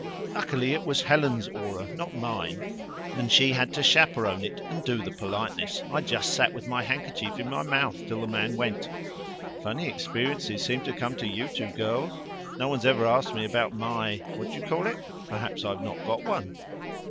Luckily it was Helen's aura, not mine, and she had to chaperone it and do the politenesses. I just sat with my handkerchief in my mouth till the man went." "Funny experiences seem to come to you two girls. No one's ever asked me about my what d'ye call it? Perhaps I've not got one."